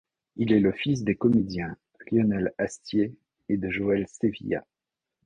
Il est le fils des comédiens Lionnel Astier et de Joëlle Sevilla.